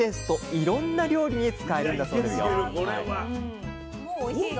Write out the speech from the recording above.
いろんな料理に使えるんだそうですよ